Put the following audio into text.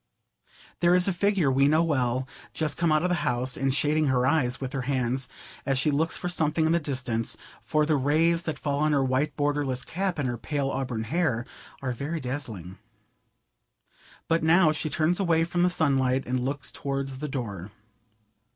There is a figure we know well, just come out of the house, and shading her eyes with her hands as she looks for something in the distance, for the rays that fall on her white borderless cap and her pale auburn hair are very dazzling. But now she turns away from the sunlight and looks towards the door.